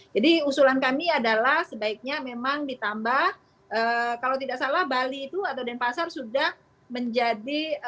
jadi usulan kami adalah sebaiknya memang ditambah kalau tidak salah bali itu atau denpasar sudah menjadi